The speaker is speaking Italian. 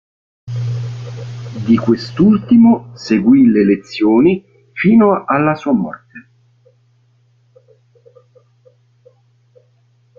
Di quest'ultimo seguì le lezioni fino alla sua morte.